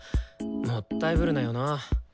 もったいぶるなよな。